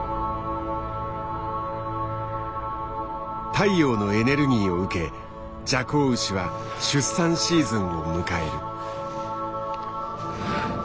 太陽のエネルギーを受けジャコウウシは出産シーズンを迎える。